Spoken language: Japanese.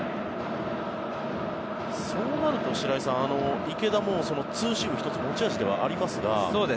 そうなると白井さん池田もツーシームも１つ持ち味ではありますが。